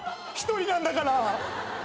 １人なんだから。